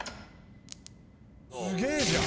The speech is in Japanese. すげえじゃん。